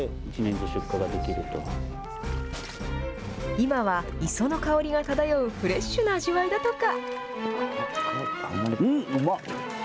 今は磯の香りが漂うフレッシュな味わいだとか。